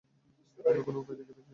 অন্য কোন উপায় দেখিতে হইবে।